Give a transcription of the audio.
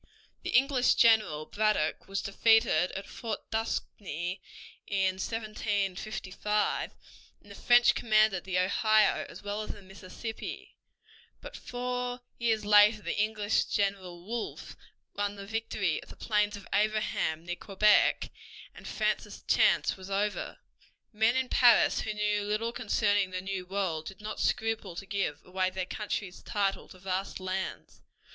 The English general, Braddock, was defeated at Fort Duquesne in 1755, and the French commanded the Ohio as well as the Mississippi; but four years later the English general, Wolfe, won the victory of the Plains of Abraham near Quebec; and France's chance was over. Men in Paris who knew little concerning the new world did not scruple to give away their country's title to vast lands.